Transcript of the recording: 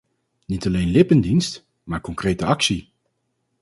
Niet alleen lippendienst, maar concrete actie!